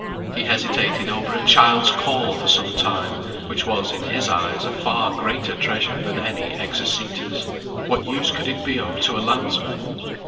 He hesitated over a child's caul for some time, which was, in his eyes, a far greater treasure than any Exocetus. What use could it be of to a landsman?